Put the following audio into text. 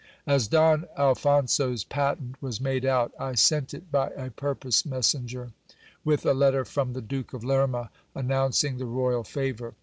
As Don Alphonso's patent was made out, I sent it by a purpose messenger, with a letter from the Duke of Lerma, announcing the royal favour.